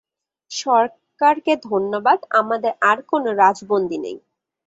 সরকারকে ধন্যবাদ, আমাদের আর কোনো রাজবন্দী নেই।